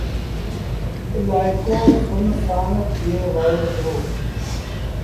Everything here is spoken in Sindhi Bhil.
الآئيڪو سُن سآݩ ٿئي وهي دو۔